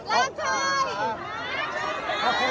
สวัสดีครับ